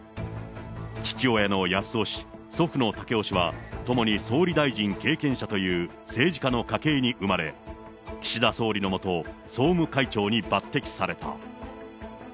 父親の康夫氏、祖父の赳夫氏は、ともに総理大臣経験者という政治家の家系に生まれ、岸田総理の下、総務会長に抜てきされた。